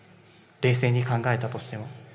冷静に考えたとしても。